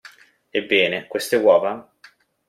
Ebbene, queste uova?